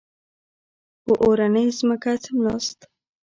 په اورنۍ ځمکه څملاست.